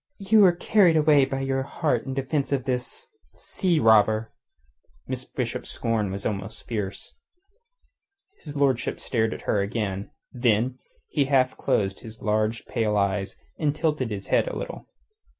"You were carried away by your heat in defence of this... sea robber." Miss Bishop's scorn was almost fierce. His lordship stared at her again. Then he half closed his large, pale eyes, and tilted his head a little.